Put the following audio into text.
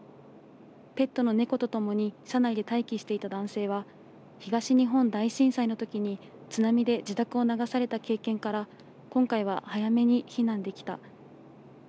ペットの猫とともに車内で待機していた男性は東日本大震災のときに津波で自宅を流された経験から今回は早めに避難できた。